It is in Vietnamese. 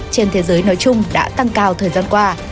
trên thế giới nói chung đã tăng cao thời gian qua